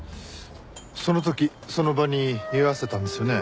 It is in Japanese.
その時その場に居合わせたんですよね？